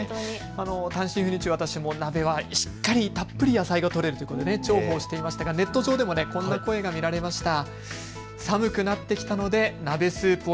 単身赴任中、私も鍋はしっかりたっぷり野菜をとれるということで重宝していましたがネット上でもこんな声が見られました。